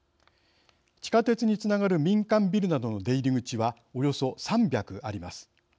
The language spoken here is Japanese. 地下鉄につながる民間ビルなどの出入り口はおよそ３００あります。